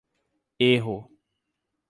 Erro.